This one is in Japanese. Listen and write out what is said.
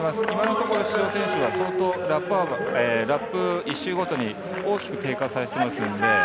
今のところ出場選手は相当ラップは、１周ごとに大きく低下されていますので。